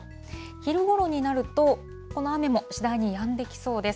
昼ごろになると、この雨も次第にやんできそうです。